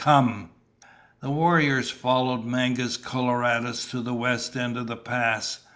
Come." The warriors followed Mangus Coloradus to the west end of the pass.